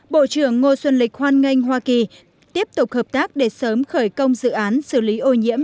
bộ trưởng ngô xuân lịch hoan nghênh hoa kỳ tiếp tục hợp tác để sớm khởi công dự án xử lý ô nhiễm